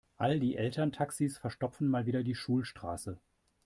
All die Elterntaxis verstopfen mal wieder die Schulstraße.